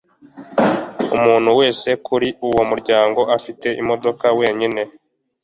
Umuntu wese muri uwo muryango afite imodoka wenyine.